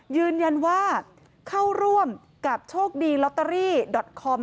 ยืนยันว่าเข้าร่วมกับโชคดีลอตเตอรี่ดอตคอม